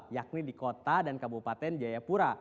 yakni di kota dan kabupaten jayapura